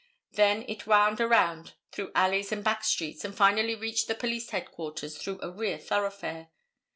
Then it wound around through alleys and back streets, and finally reached the police headquarters through a rear thoroughfare.